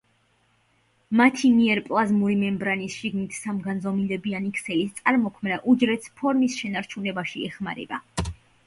მათი მიერ პლაზმური მემბრანის შიგნით სამგანზომილებიანი ქსელის წარმოქმნა, უჯრედს ფორმის შენარჩუნებაში ეხმარება.